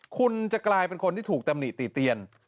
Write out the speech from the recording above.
คุณจะกลายเป็นคนที่ถูกตำหนิติเตียน